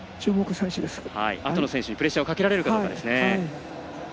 あとの選手にプレッシャーをかけられるかどうか。